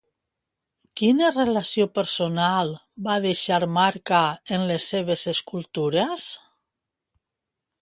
Quina relació personal va deixar marca en les seves escultures?